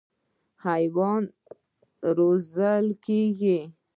حیوانات روزل کېږي.